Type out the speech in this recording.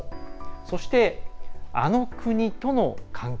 そして、あの国との関係。